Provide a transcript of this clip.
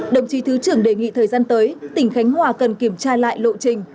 đồng chí thứ trưởng đề nghị thời gian tới tỉnh khánh hòa cần kiểm tra lại lộ trình